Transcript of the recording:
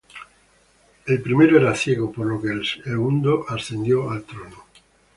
El primero era ciego, por lo que el segundo ascendió al trono.